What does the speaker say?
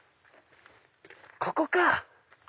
ここか！